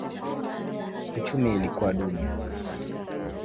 Uchumi ilikuwa duni.